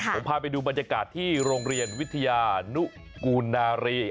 ผมพาไปดูบรรยากาศที่โรงเรียนวิทยานุกูนารี